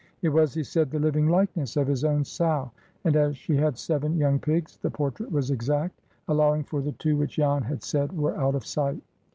It was, he said, the "living likeness" of his own sow; and, as she had seven young pigs, the portrait was exact, allowing for the two which Jan had said were out of sight.